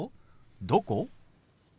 「どこ？」。